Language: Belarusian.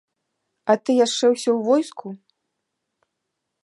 А ты яшчэ ўсё ў войску?